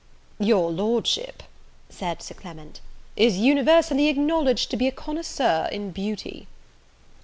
"Your Lordship," said Sir Clement, "is universally acknowledged to be a connoisseur in beauty."